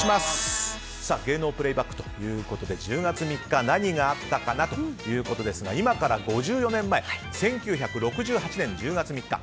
芸能プレイバックということで１０月３日、何があったかなということですが今から５４年前１９６８年、１０月３日